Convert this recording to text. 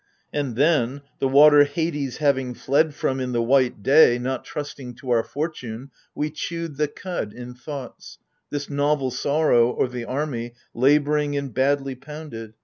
And then, the water Hades having fled from In the white day, not trusting to our fortune, We chewed the cud in thoughts — this novel sorrow O' the army labouring and badly pounded.